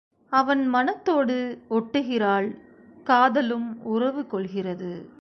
அவன் மனத்தோடு ஒட்டுகிறாள் காத லும் உறவு கொள்கிறது.